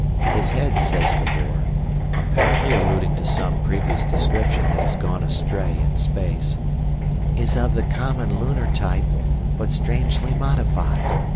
His head, says Cavor—apparently alluding to some previous description that has gone astray in space—"is of the common lunar type, but strangely modified.